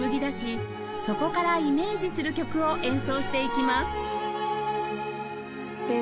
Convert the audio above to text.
そこからイメージする曲を演奏していきます